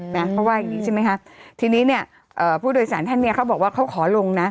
นะเขาว่าอย่างงี้ใช่ไหมคะทีนี้เนี่ยเอ่อผู้โดยสารท่านเนี้ยเขาบอกว่าเขาขอลงนะ